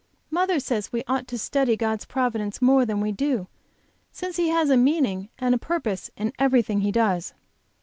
Mother says we ought to study God's providence more than we do since He has a meaning and a purpose in everything He does.